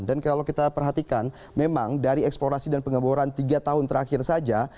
dan kalau kita perhatikan memang dari eksplorasi dan pengeboran tiga tahun terakhir saja